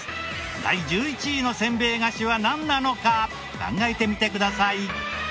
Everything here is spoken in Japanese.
第１１位のせんべい菓子はなんなのか考えてみてください。